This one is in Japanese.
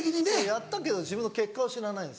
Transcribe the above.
やったけど自分の結果を知らない。